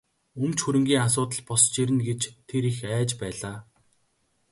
Өмч хөрөнгийн асуудал босож ирнэ гэж тэр их айж байлаа.